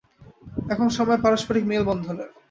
এখন সময় পারস্পরিক মেলবন্ধনের।